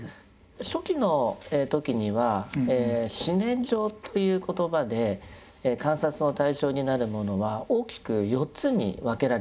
初期の時には「四念処」という言葉で観察の対象になるものは大きく４つに分けられていました。